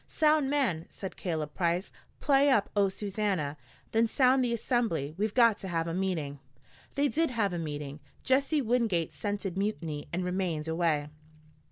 "Sound, man!" said Caleb Price. "Play up Oh, Susannah! Then sound the Assembly. We've got to have a meeting." They did have a meeting. Jesse Wingate scented mutiny and remained away.